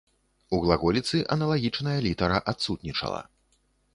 У глаголіцы аналагічная літара адсутнічала.